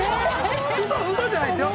ウソじゃないですよ。